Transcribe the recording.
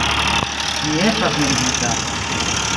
Mi estas mirigita.